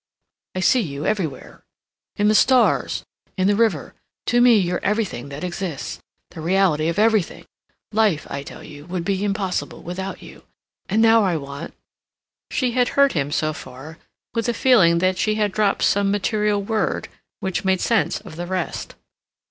"I see you everywhere, in the stars, in the river; to me you're everything that exists; the reality of everything. Life, I tell you, would be impossible without you. And now I want—" She had heard him so far with a feeling that she had dropped some material word which made sense of the rest.